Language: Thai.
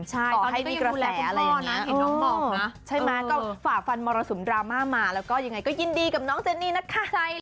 ต่อให้มีกระแสอะไรอย่างนี้ใช่มั้ยก็ฝ่าฟันมรสุมดราม่ามาแล้วก็ยินดีกับน้องเจนนี่นะคะ